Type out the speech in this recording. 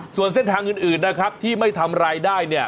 ส่วนเส้นทางอื่นนะครับที่ไม่ทำรายได้เนี่ย